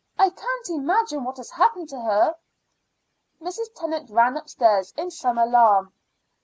I can't imagine what has happened to her." Mrs. Tennant ran upstairs in some alarm.